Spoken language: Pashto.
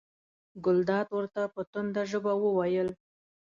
ګلداد ورته په تنده ژبه وویل.